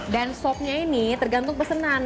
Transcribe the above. dan sopnya ini tergantung pesenan